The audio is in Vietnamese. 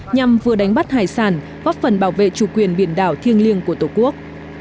nhằm vừa đánh bắt hải sản góp phần bảo vệ chủ quyền biển đảo thiêng liêng của tổ quốc